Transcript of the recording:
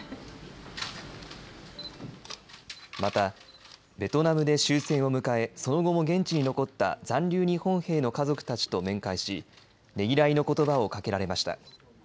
また、ベトナムで終戦を迎えその後も現地に残った残留日本兵の家族たちと面会しねぎらいのことばをかけられました。